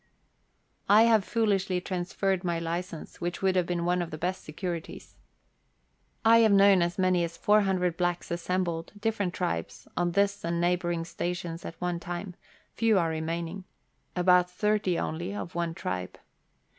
1 have foolishly transferred my license, which would have been one of the best securities. I have known as many as 400 blacks assembled different tribes on this and neighbouring stations at one time ; few are remaining about 30 only of one tribe.